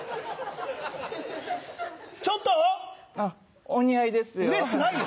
ちょっと⁉お似合いですよ。